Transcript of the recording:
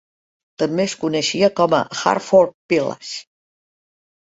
També es coneixia com a Hartford Village.